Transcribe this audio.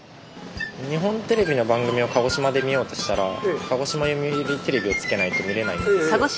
日本テレビの番組を鹿児島で見ようとしたら鹿児島読売テレビをつけないと見れないんですよ。